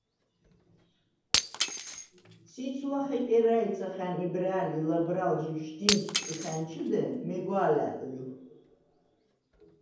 ციცვ ლახე კერა̄̈ჲცახა̈ნ იბრა̄̈ლ ი ლაბრა̄ლჟი შდიმს ჩუ ხა̈ნჩჷდე, მეგვა̄ლა̈ლ ლი.